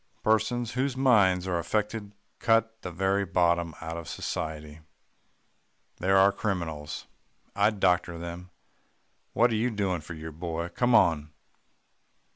Persons whose minds are affected cut the very bottom out of society. They're our criminals. I'd doctor them. What are you doing for your boy; come now.